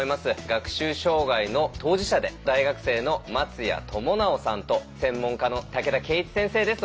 学習障害の当事者で大学生の松谷知直さんと専門家の竹田契一先生です。